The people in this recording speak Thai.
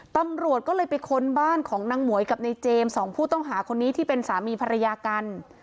ตำรวจก็เลยไปค้นบ้านของนางหมวยกับในเจมส์สองผู้ต้องหาคนนี้ที่เป็นสามีภรรยากัน